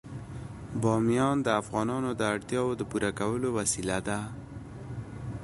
بامیان د افغانانو د اړتیاوو د پوره کولو وسیله ده.